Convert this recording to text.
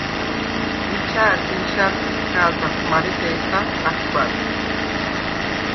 მიჩა ა̈რგლიშა̈რ ხეთხა̄̈ლდახ, მარე დე̄სა ა̈ხგვა̈ბხ.